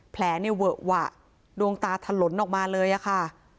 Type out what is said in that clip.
แผลเวอะหวะดวงตาถลนออกมาเลยค่ะ